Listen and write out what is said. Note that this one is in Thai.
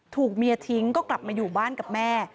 ถูกเมียทิ้งก็กลับมาอยู่บ้านกับแม่